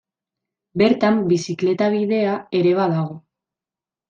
Bertan, bizikleta bidea ere badago.